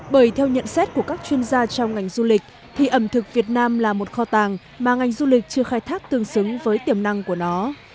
bởi theo nhận xét của các chuyên gia trong ngành du lịch thì ẩm thực việt nam là một kho tàng mà ngành du lịch chưa khai thác tương xứng với tiềm năng của nó